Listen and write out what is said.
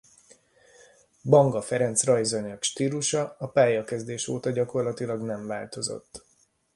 Banga Ferenc rajzainak stílusa a pályakezdése óta gyakorlatilag nem változott.